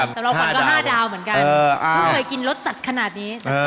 อร่อยจริง